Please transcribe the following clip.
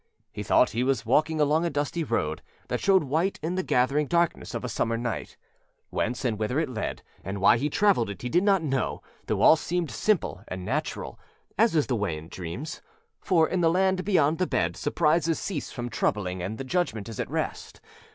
He thought he was walking along a dusty road that showed white in the gathering darkness of a summer night. Whence and whither it led, and why he traveled it, he did not know, though all seemed simple and natural, as is the way in dreams; for in the Land Beyond the Bed surprises cease from troubling and the judgment is at rest.